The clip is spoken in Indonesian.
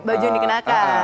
baju yang dikenakan